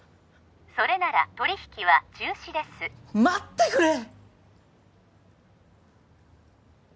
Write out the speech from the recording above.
それなら取り引きは中止です待ってくれ！